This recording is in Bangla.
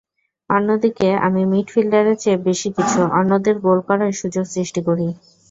অন্যদিকে আমি মিডফিল্ডারের চেয়ে বেশি কিছু, অন্যদের গোল করার সুযোগ সৃষ্টি করি।